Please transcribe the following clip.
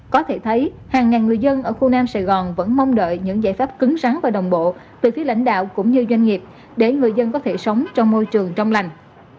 có thể thấy hàng ngàn người dân ở khu nam sài gòn vẫn mong đợi những giải pháp cứng rắn và đồng bộ từ phía lãnh đạo cũng như doanh nghiệp để người dân có thể sống trong môi trường trong lành